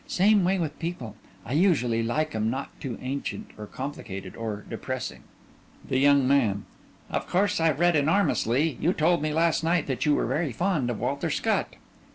Same way with people. I usually like 'em not too ancient or complicated or depressing. THE YOUNG MAN: Of course I've read enormously. You told me last night that you were very fond of Walter Scott.